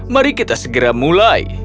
mari kita segera mulai